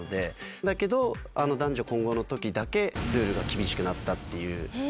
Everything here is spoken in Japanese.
だけど、あの男女混合のときだけルールが厳しくなったっていう。